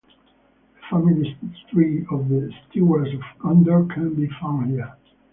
The family tree of the Stewards of Gondor can be found here.